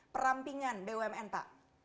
perampingan bumn pak